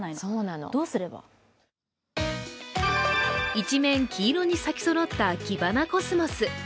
一面、黄色に咲きそろったキバナコスモス。